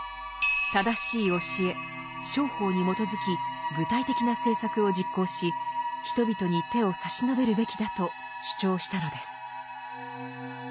正しい教え「正法」に基づき具体的な政策を実行し人々に手を差し伸べるべきだと主張したのです。